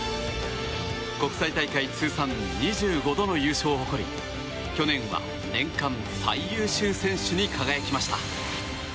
国際大会通算２５度の優勝を誇り去年は年間最優秀選手に輝きました。